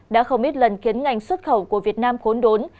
đã không ít lần khiến ngành xuất khẩu của việt nam khốn đốn